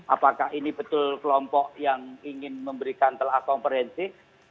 apakah ini betul kelompok yang ingin memberikan telah komprehensif